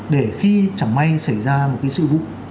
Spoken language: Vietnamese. để khi chẳng may xảy ra một cái sự vụ